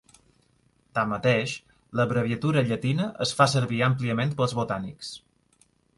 Tanmateix, l'abreviatura llatina es fa servir àmpliament pels botànics.